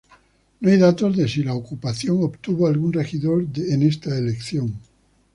No hay datos de si la agrupación obtuvo algún regidor en esta elección.